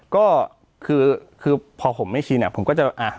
ก็คือคือพอผมไม่ชินผมก็จะอ่ะ